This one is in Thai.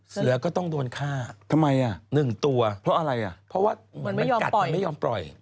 เสือก็ต้องโดนฆ่า๑ตัวเพราะอะไรน่ะเหมือนไม่ยอมปล่อย